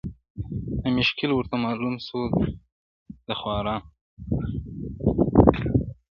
نه مشکل ورته معلوم سو د خوارانو-